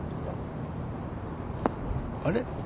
あれ？